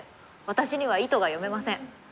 私には意図が読めません。